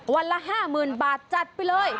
วันละห้าหมื่นบาทจัดไปเลย